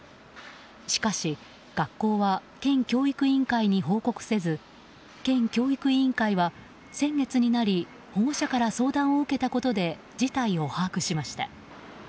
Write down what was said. しかし、学校は県教育委員会に報告せず県教育委員会は先月になり保護者から相談を受けたことで事態を把握しました。